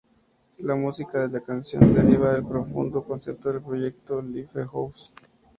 La música de la canción deriva del profundo concepto del proyecto "Lifehouse".